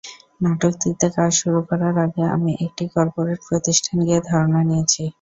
নাটকটিতে কাজ শুরু করার আগে আমি একটি করপোরেট প্রতিষ্ঠানে গিয়ে ধারণা নিয়েছি।